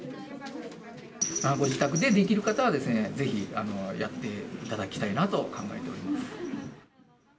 ご自宅でできる方は、ぜひやっていただきたいなと考えております。